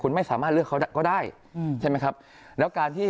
คุณไม่สามารถเลือกเขาก็ได้อืมใช่ไหมครับแล้วการที่